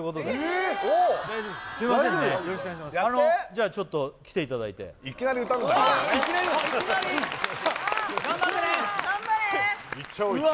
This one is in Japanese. じゃあちょっと来ていただいていきなり歌うんだ頑張ってね